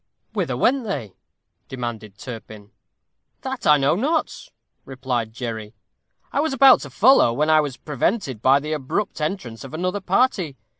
"Whither went they?" demanded Turpin. "That I know not," replied Jerry. "I was about to follow, when I was prevented by the abrupt entrance of another party.